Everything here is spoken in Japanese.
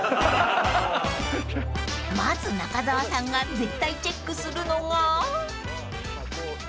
［まず中澤さんが絶対チェックするのが］